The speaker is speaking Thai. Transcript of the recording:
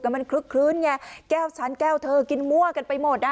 มันคลึกคลื้นไงแก้วฉันแก้วเธอกินมั่วกันไปหมดอ่ะ